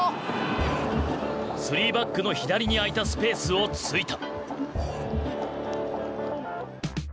３バックの左に空いたスペースを突いた。